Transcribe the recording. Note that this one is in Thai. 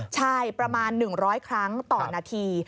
ใช่ประมาณ๑๐๐ครั้งต่อนาที